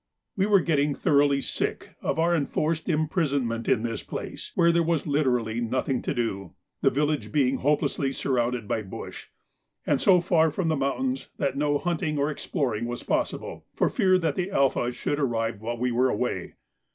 We were getting thoroughly sick of our enforced imprisonment in this place, where there was literally nothing to do, the village being hopelessly surrounded by bush, and so far from the mountains that no hunting or exploring was possible, for fear the 'Alpha' should arrive while we were away.